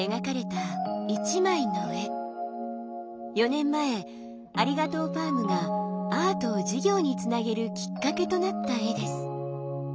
４年前ありがとうファームがアートを事業につなげるきっかけとなった絵です。